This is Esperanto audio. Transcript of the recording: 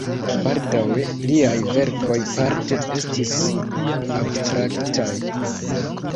Baldaŭe liaj verkoj parte estis abstraktaj.